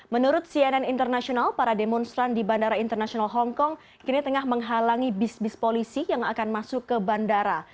menurut cnn international para demonstran di bandara internasional hongkong kini tengah menghalangi bis bis polisi yang akan masuk ke bandara